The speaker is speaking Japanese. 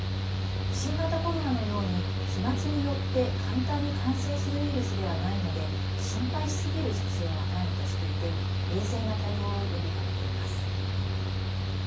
新型コロナのように飛まつによって簡単に感染するウイルスではないので心配しすぎる必要はないとしていて冷静な対応を呼びかけています。